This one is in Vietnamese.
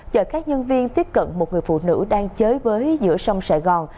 chở các nhân viên tiếp cận một người phụ nữ đang chơi với giữa sông sài gòn